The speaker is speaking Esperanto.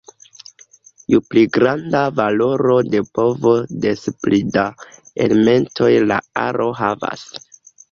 Ju pli granda valoro de povo des pli da elementoj la aro havas.